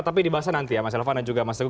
tapi dibahas nanti ya mas elvan dan juga mas teguh